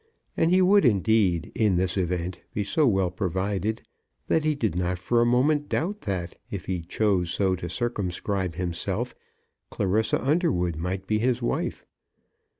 And he would indeed, in this event, be so well provided, that he did not for a moment doubt that, if he chose so to circumscribe himself, Clarissa Underwood might be his wife.